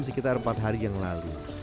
sekitar empat hari yang lalu